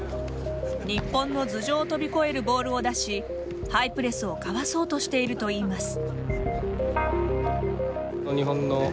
日本の頭上を飛び越えるボールを出しハイプレスをかわそうとしているといいます。